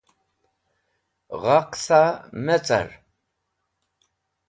Gha qẽsa me car